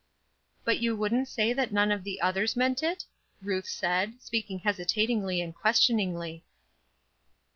"But you wouldn't say that none of the others meant it?" Ruth said, speaking hesitatingly and questioningly.